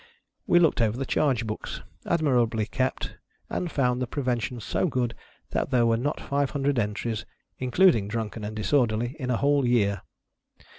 We looked over the charge books, admirably kept, and found the prevention so good, that there were not five hundred entries (including drunken And disorderly) in a whole year.